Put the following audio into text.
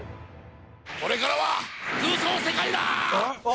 これからは空想世界だー！